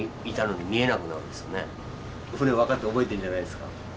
船分かって覚えてんじゃないですか？